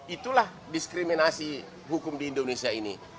itulah diskriminasi hukum di indonesia ini